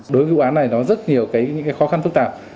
đối với vụ án này nó rất nhiều những khó khăn phức tạp